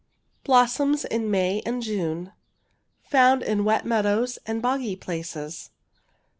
Blossoms in May and Jmie. Fonnd in wet meadows and boggy places.